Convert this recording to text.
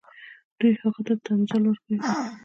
دوی هغوی ته تنزل ورکوي.